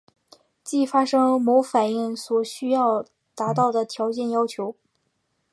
即发生某反应所需要达到的条件要求。